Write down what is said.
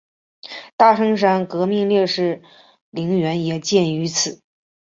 大城山革命烈士陵园也建于此。